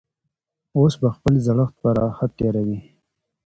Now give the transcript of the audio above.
اوس به خپل زړښت په راحت تېروي.